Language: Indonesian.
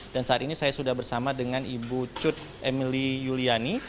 dan saat ini saya sudah bersama dengan ibu cud emily yuliani